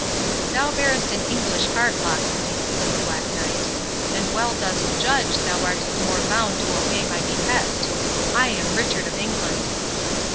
"Thou bearest an English heart, Locksley," said the Black Knight, "and well dost judge thou art the more bound to obey my behest—I am Richard of England!"